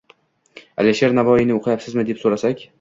Alisher Navoiyni o‘qiyapsizmi deb so‘rasak.